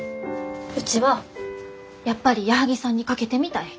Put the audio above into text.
うちはやっぱり矢作さんに賭けてみたい。